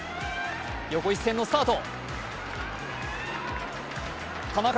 横一線のスタート。